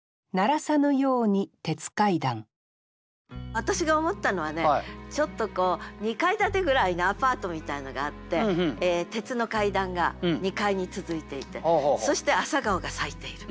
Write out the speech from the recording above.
私が思ったのはちょっと２階建てぐらいのアパートがみたいのがあって鉄の階段が２階に続いていてそして朝顔が咲いている。